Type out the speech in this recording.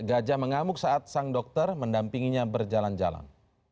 gajah mengamuk saat sang dokter mendampinginya berjalan jalan